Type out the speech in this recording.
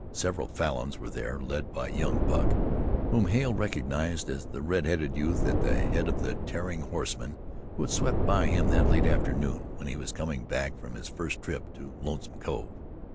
Several Falins were there led by young Buck, whom Hale recognized as the red headed youth at the head of the tearing horsemen who had swept by him that late afternoon when he was coming back from his first trip to Lonesome Cove.